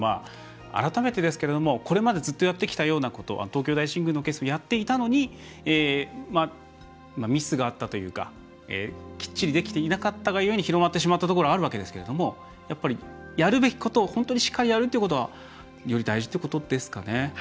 改めてですけど、これまでずっとやってきたようなこと東京大神宮のケースではやっていたのにミスがあったというかきっちりできていなかったがゆえに広がってしまったところがあるわけですけどやっぱり、やるべきことを本当にしっかりやるということがより大事っていうことですかね。